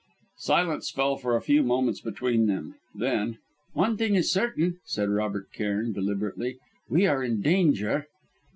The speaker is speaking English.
Silence fell for a few moments between them; then: "One thing is certain," said Robert Cairn, deliberately, "we are in danger!"